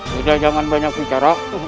sudah jangan banyak bicara